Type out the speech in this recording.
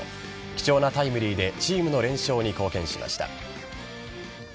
貴重なタイムリーでチームの連勝に貢献しました。